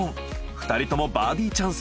２人ともバーディーチャンス。